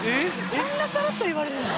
こんなさらっと言われるの？